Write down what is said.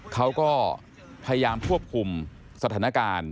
เขาก็พยายามควบคุมสถานการณ์